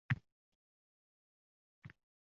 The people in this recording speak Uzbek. Muqim tog`a tengi beva kampirni topishning iloji bo`lmadi